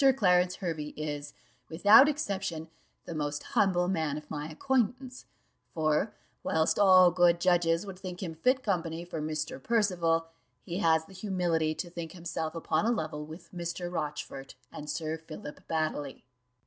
Clarence Hervey is, without exception, the most humble man of my acquaintance; for whilst all good judges would think him fit company for Mr. Percival, he has the humility to think himself upon a level with Mr. Rochfort and Sir Philip Baddely."